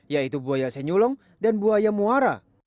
yaitu buaya senyulong dan buaya muara